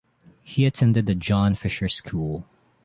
He attended The John Fisher School.